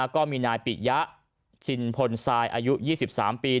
ก็มีนายปิยะชินพลทรายอายุ๒๓ปี